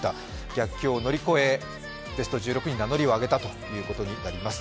逆境を乗り越えベスト１６に名乗りを上げたことになります。